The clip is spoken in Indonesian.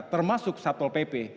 termasuk satol pp